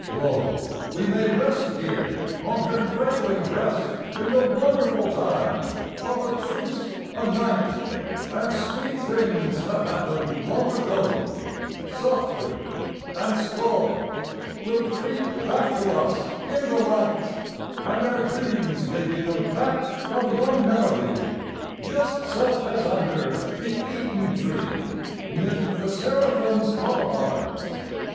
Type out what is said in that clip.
Lo, we may rest Here on her cradling breast In the wonderful time of the truce o' night, And sweet things that happened long ago, Softly and slow, Will creep back to us in delight; And our dreams may be Compact of young melody. Just such as under the Eden Tree, 'Mid the seraphim's lullabies.